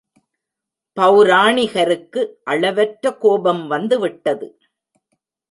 பெளராணிகருக்கு அளவற்ற கோபம் வந்து விட்டது.